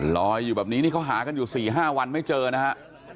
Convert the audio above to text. ลอยอยู่แบบนี้นี่เขาหากันอยู่๔๕วันไม่เจอนะฮะ